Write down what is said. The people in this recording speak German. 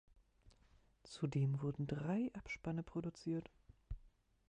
Zudem wurden drei Abspanne produziert.